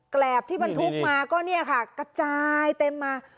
แกรบที่บรรทุกมาก็เนี่ยค่ะกระจายเต็มมา